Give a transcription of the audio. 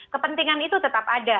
kepentingan itu tetap ada